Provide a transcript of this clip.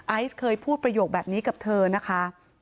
ไอซ์เคยพูดประโยคแบบนี้กับเธอนะคะ